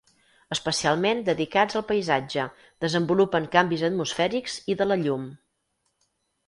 Especialment dedicats al paisatge, desenvolupen canvis atmosfèrics i de la llum.